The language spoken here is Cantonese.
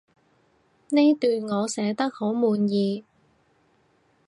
呢段我寫得好滿意